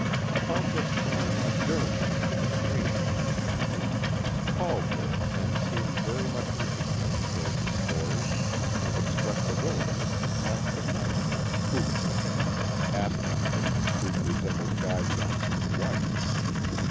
About this time a German, a stranger to the family, called there and seemed very much interested in the ghost story and expressed a willingness to pass the night in the spook room," asking if the spook resembled Guy John son's wife.